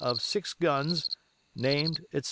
of six guns, named, etc.